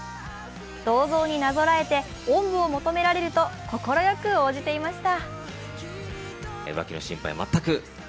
銅像になぞらえて、おんぶを求められると快く応じていました。